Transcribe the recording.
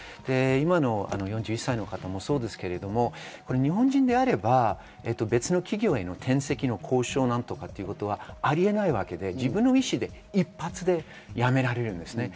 今の４１歳の方もそうですが、日本人であれば別の企業への転籍の交渉ということはあり得ないわけで、自分の意思で一発で辞められます。